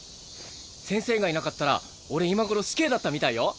先生がいなかったら俺今頃死刑だったみたいよ。